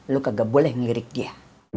lo kagak boleh ngelirik dia